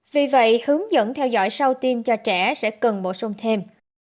vì vậy hướng dẫn theo dõi sau tiêm cho trẻ sẽ cần bổ sung thêm